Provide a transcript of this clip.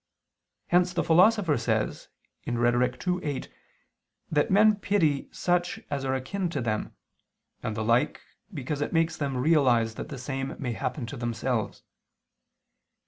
Hence the Philosopher says (Rhet. ii, 8) that men pity such as are akin to them, and the like, because it makes them realize that the same may happen to themselves.